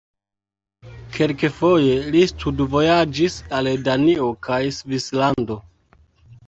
Kelkfoje li studvojaĝis al Danio kaj Svislando.